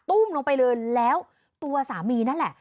ลงไปเลยแล้วตัวสามีนั่นแหละ